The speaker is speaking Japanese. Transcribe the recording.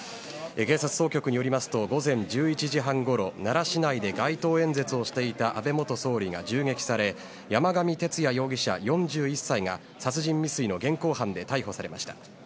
警察当局によりますと午前１１時半ごろ奈良市内で街頭演説をしていた安倍元総理が銃撃され山上徹也容疑者、４１歳が殺人未遂の現行犯で逮捕されました。